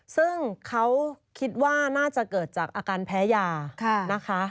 ซึ่งเขาคิดว่าน่าจะเกิดจากอาการแพ้ยานะคะ